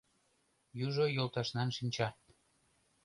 Южо йолташнан шинча